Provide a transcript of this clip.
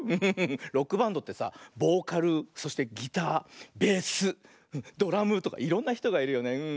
ロックバンドってさボーカルそしてギターベースドラムとかいろんなひとがいるよねうん。